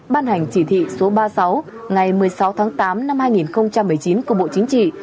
ban hành chỉ thị số ba mươi sáu ngày một mươi sáu tháng tám năm hai nghìn một mươi chín của bộ chính trị